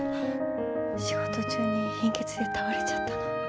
仕事中に貧血で倒れちゃったの。